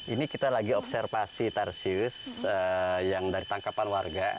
ini kita lagi observasi tarsius yang dari tangkapan warga